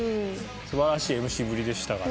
素晴らしいＭＣぶりでしたから。